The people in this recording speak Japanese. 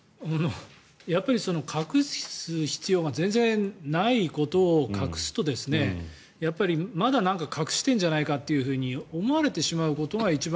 やっぱり隠す必要が全然ないことを隠すとまだなんか隠してるんじゃないかって思われてしまうことが一番